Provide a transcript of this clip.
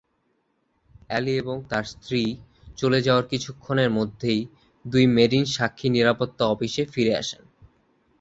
Alley এবং তার স্ত্রী চলে যাওয়ার কিছুক্ষণের মধ্যেই দুই মেরিন সাক্ষী নিরাপত্তা অফিসে ফিরে আসেন।